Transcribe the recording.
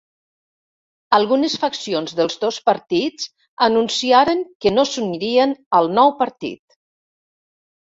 Algunes faccions dels dos partits anunciaren que no s'unirien al nou partit.